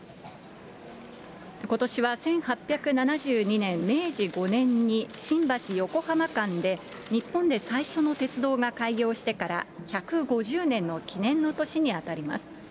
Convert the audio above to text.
ことしは１８７２年明治５年に新橋・横浜間で、日本で最初の鉄道が開業してから１５０年の記念の年に当たります。